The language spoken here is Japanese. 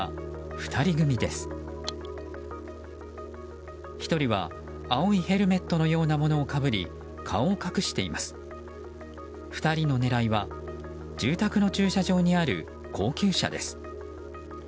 ２人の狙いは住宅の駐車場にある高級車です。